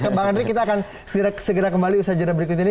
kembali hari ini kita akan segera kembali usai jendera berikut ini